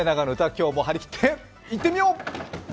今日も張り切っていってみよう！